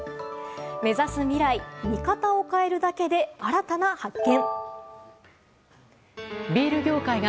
目指す未来見方を変えるだけで新たな発見。